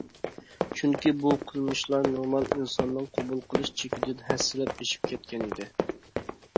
چۈنكى بۇ قىلمىشلار نورمال ئىنساننىڭ قوبۇل قىلىش چېكىدىن ھەسسىلەپ ئېشىپ كەتكەن ئىدى.